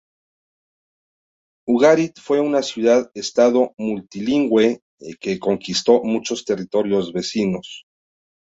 Ugarit fue una ciudad-Estado multilingüe que conquistó muchos territorios vecinos.